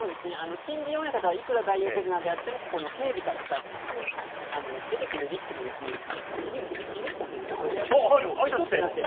新人親方はいくら大横綱であってもここの警備からスタートなんで、出てくる力士もびびっちゃってるあいさつしてる。